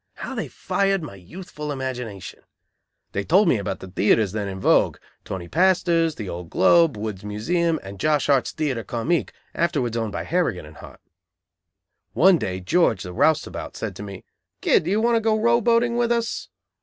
How they fired my youthful imagination! They told me about the theatres then in vogue Tony Pastor's, the old Globe, Wood's Museum and Josh Hart's Theatre Comique, afterwards owned by Harrigan and Hart. One day, George, the roustabout, said to me: "Kid, do you want to go row boating with us?"